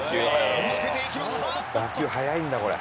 打球速いんだこれ。